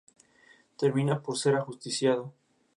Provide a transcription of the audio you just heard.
Termina por ser ajusticiado.